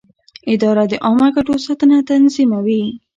اداره د عامه ګټو ساتنه تضمینوي.